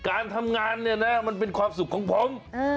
การทำงานเนี่ยนะมันเป็นความสุขของผม